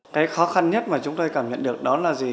cái khó khăn nhất mà chúng tôi cảm nhận được đó là gì